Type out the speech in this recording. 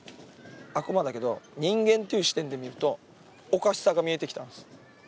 悪魔だけど、人間という視点で見ると、おかしさが見えてきたんです。